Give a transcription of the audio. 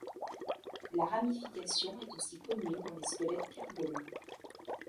La ramification est aussi commune dans les squelettes carbonés.